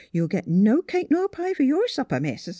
You'll get no cake nor pie for your supper, Miss!